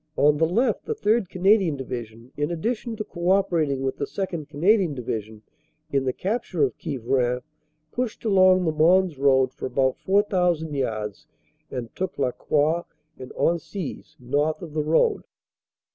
On the left the 3rd. Canadian Division, in addition to co operating with the 2nd. Canadian Division in the capture of Quievrain, pushed along the Mons road for about 4,000 yards and took La Croix and Hensies, north of the road.